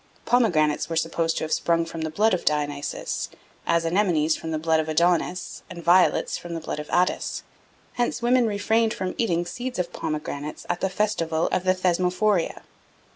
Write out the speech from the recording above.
Pomegranates were supposed to have sprung from the blood of Dionysus, as anemones from the blood of Adonis and violets from the blood of Attis: hence women refrained from eating seeds of pomegranates at the festival of the Thesmophoria.